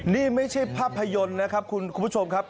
นี่ไม่ใช่ภาพยนตร์นะครับคุณผู้ชมครับ